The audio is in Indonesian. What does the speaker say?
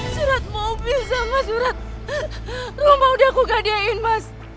surat mobil sama surat rumah udah aku gadiain mas